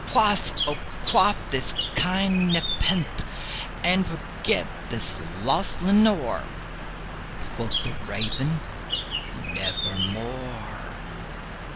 Quaff, oh quaff this kind nepenthé, and forget this lost Lenore!" Quoth the Raven, "Nevermore."